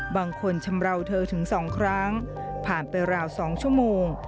ชำราวเธอถึง๒ครั้งผ่านไปราว๒ชั่วโมง